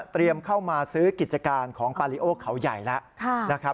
เตรียมเข้ามาซื้อกิจการของปาริโอเขาใหญ่แล้ว